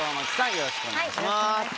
よろしくお願いします。